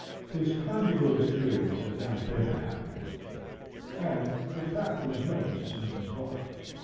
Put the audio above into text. His conjugal experience had not been a happy one, and the fact was known to Simpson's Bar.